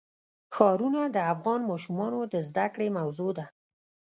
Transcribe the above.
ښارونه د افغان ماشومانو د زده کړې موضوع ده.